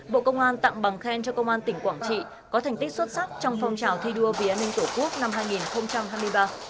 bộ công an tặng bằng khen cho công an tỉnh quảng trị có thành tích xuất sắc trong phong trào thi đua vì an ninh tổ quốc năm hai nghìn hai mươi ba